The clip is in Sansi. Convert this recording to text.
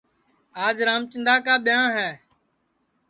آج رامچندا کا ٻیاں ہے